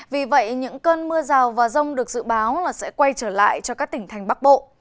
vì vậy những cơn mưa rào và rông được dự báo là sẽ quay trở lại cho các tỉnh thành bắc bộ